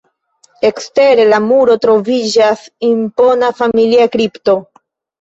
Ekstere de la muro troviĝas impona familia kripto.